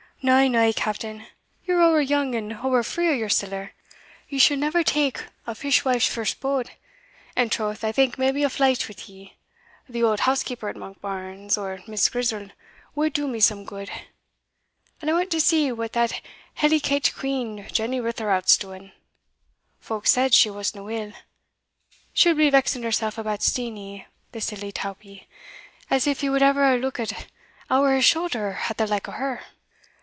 "Na, na, Captain; ye're ower young and ower free o' your siller ye should never tak a fish wife's first bode; and troth I think maybe a flyte wi' the auld housekeeper at Monkbarns, or Miss Grizel, would do me some gude And I want to see what that hellicate quean Jenny Ritherout's doing folk said she wasna weel She'll be vexing hersell about Steenie, the silly tawpie, as if he wad ever hae lookit ower his shouther at the like o'her!